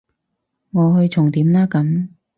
我去重點啦咁